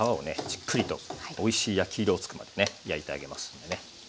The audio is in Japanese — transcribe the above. じっくりとおいしい焼き色をつくまでね焼いてあげますんでね。